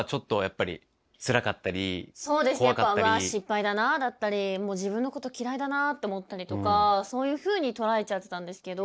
うわ失敗だなだったり自分のこと嫌いだなって思ったりとかそういうふうに捉えちゃってたんですけど。